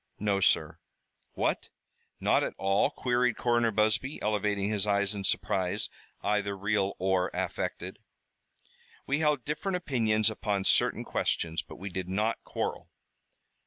"No, sir." "What, not at all?" queried Coroner Busby, elevating his eyes in surprise, either real or affected. "We held different opinions upon certain questions, but we did not quarrel."